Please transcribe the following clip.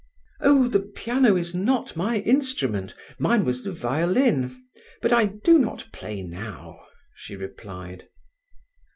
"Oh, the piano is not my instrument; mine was the violin, but I do not play now," she replied.